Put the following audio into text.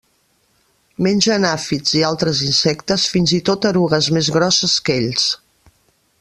Mengen àfids i altres insectes fins i tot erugues més grosses que ells.